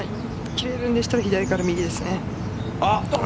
切れるんでしたら左から右ですね。